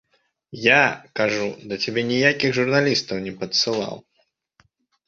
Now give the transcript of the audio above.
Я, кажу, да цябе ніякіх журналістаў не падсылаў.